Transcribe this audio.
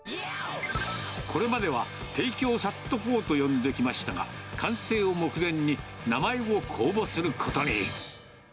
これまでは、テイキョウサット４と呼んできましたが、完成を目前に、名前を公募することに。